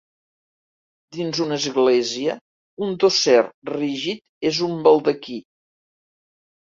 Dins una església, un dosser rígid és un baldaquí.